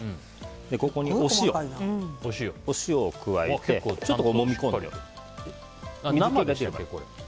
ここにお塩を加えてちょっともみ込んでおく。